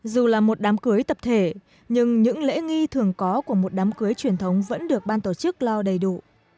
dù là một đám cưới tập thể nhưng những lễ nghi thường có của một đám cưới truyền thống vẫn được ban tổ chức lo đầy đủ